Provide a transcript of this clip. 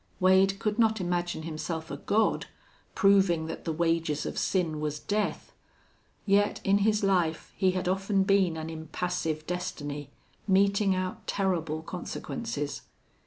Wade could not imagine himself a god, proving that the wages of sin was death. Yet in his life he had often been an impassive destiny, meting out terrible consequences.